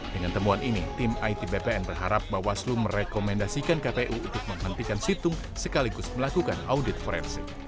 dengan temuan ini tim it bpn berharap bawaslu merekomendasikan kpu untuk menghentikan situng sekaligus melakukan audit forensik